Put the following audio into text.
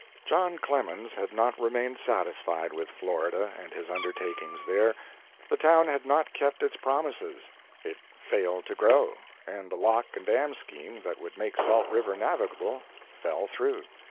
John Clemens had not remained satisfied with Florida and his undertakings there. The town had not kept its promises. It failed to grow, and the lock and dam scheme that would make Salt River navigable fell through.